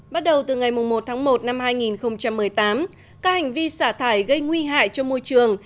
bắt đầu từ ngày một tháng một năm hai nghìn một mươi tám các hành vi xả thải gây nguy hại cho môi trường